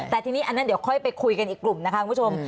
แต่ทีนี้อันนั้นเดี๋ยวค่อยไปคุยกันอีกกลุ่มนะคะคุณผู้ชม